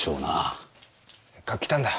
せっかく来たんだ。